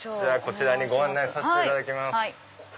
こちらにご案内させていただきます。